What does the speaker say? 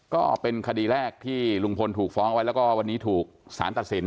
ก็เป็นคดีแรกที่ลุงพลถูกฟ้องไว้แล้วก็วันนี้ถูกสารตัดสิน